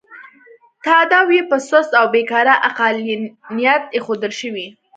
تاداو یې په سست او بې کاره عقلانیت اېښودل شوی.